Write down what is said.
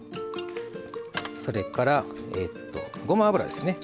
それからごま油ですね。